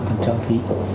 thì thông thường phải trả